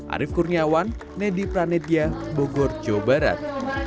arief kurniawan nedy pranidya bogor jawa barat